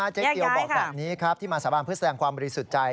เจ๊เกียวบอกแบบนี้ครับที่มาสาบานเพื่อแสดงความบริสุทธิ์ใจ